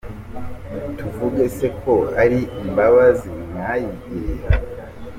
Tuvuge se ko ari imbabazi mwayigiriye.